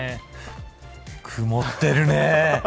曇ってるね。